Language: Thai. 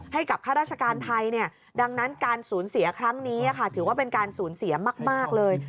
ให้กับข้าราชการไทยดังนั้นการศูนย์เสียครั้งนี้ค่ะถือว่าเป็นการศูนย์เสียมากเลย